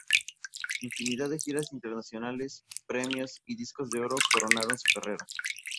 Infinidad de giras internacionales, premios y "discos de oro" coronaron su carrera.